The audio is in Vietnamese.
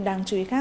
đáng chú ý khác